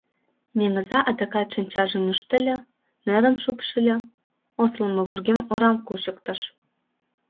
Меҥыза адакат шинчажым ӱштыльӧ, нерым шупшыльо — осылымо вургем орам кучыктыш.